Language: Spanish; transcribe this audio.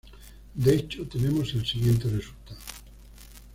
De hecho tenemos el siguiente resultado.